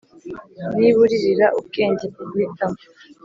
niba uririra ubwenge bwo guhitamo,